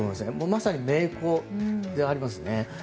まさに名工でありますね。